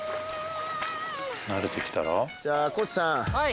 じゃあ地さんはい